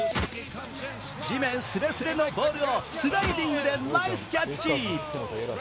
地面スレスレのボールをスライディングでナイスキャッチ。